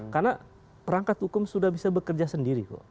karena perangkat hukum sudah bisa bekerja sendiri kok